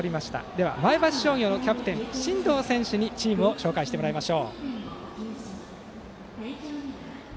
では、前橋商業のキャプテン真藤選手にチームを紹介してもらいます。